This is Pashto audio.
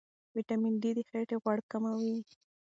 ویټامین ډي د خېټې غوړ کموي.